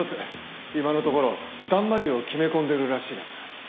今のところだんまりを決め込んでるらしいがな。